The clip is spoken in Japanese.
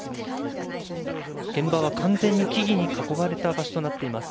現場は完全に木々に囲まれた場所となっています。